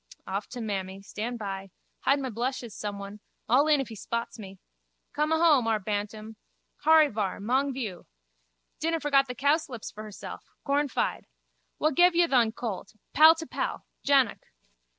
Off to mammy. Stand by. Hide my blushes someone. All in if he spots me. Come ahome, our Bantam. Horryvar, mong vioo. Dinna forget the cowslips for hersel. Cornfide. Wha gev ye thon colt? Pal to pal. Jannock.